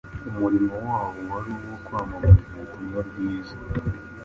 Umurimo wabo wari uwo kwamamaza ubutumwa bwiza.